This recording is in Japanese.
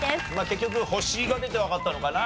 結局星が出てわかったのかな？